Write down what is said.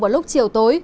vào lúc chiều tối